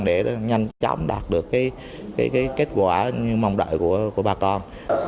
để nhanh chóng đạt được cái kết quả mong đợi của bà con